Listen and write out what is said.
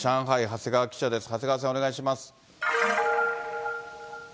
長谷川さん、お願いします。